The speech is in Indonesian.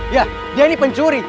ya dia ini pencuri